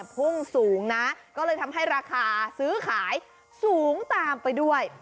พุ่งสูงนะก็เลยทำให้ราคาซื้อขายสูงตามไปด้วย